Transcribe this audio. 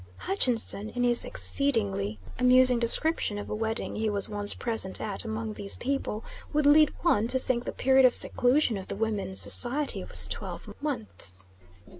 Hutchinson, in his exceedingly amusing description of a wedding he was once present at among these people, would lead one to think the period of seclusion of the women's society was twelve months.